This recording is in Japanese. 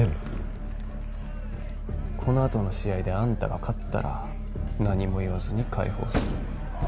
この後の試合であんたが勝ったら何も言わずに解放する。